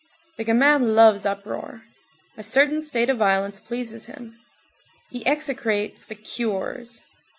19 The gamin loves uproar. A certain state of violence pleases him. He execrates "the curés."